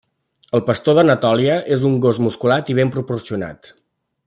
El pastor d'Anatòlia és un gos musculat i ben proporcionat.